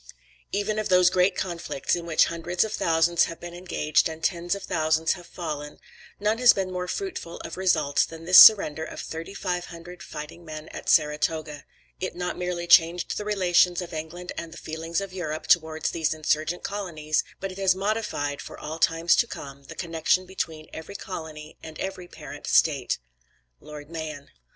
"Even of those great conflicts, in which hundreds of thousands have been engaged and tens of thousands have fallen, none has been more fruitful of results than this surrender of thirty five hundred fighting men at Saratoga. It not merely changed the relations of England and the feelings of Europe towards these insurgent colonies, but it has modified, for all times to come, the connexion between every colony and every parent state." LORD MAHON.